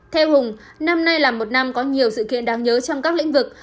theo hùng năm nay là một năm có nhiều sự kiện đáng nhớ trong các lĩnh vực